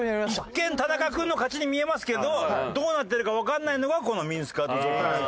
一見田中君の勝ちに見えますけどどうなってるかわからないのがこのミニスカート雑巾掛けです。